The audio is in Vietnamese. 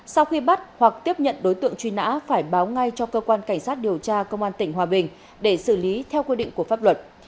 sau khi bắt hoặc tiếp nhận đối tượng truy nã phải báo ngay cho cơ quan cảnh sát điều tra công an tỉnh hòa bình để xử lý theo quy định của pháp luật